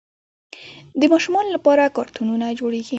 د ماشومانو لپاره کارتونونه جوړوي.